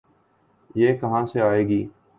یہ کہاں سے آئے گی؟